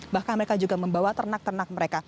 bahkan mereka juga membawa ternak ternak mereka